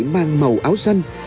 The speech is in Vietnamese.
mang màu áo xanh